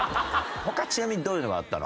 他ちなみにどういうのがあったの？